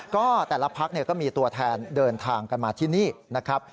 ก็แต่ละพักก็มีตัวแทนเดินทางกันมาที่นี่นะครับ